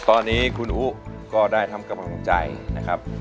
ตอนนี้คุณอุ๊ก็ได้ทำกำลังใจนะครับ